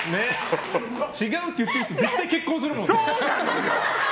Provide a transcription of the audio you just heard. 違うって言ってるやつ絶対結婚するもんね。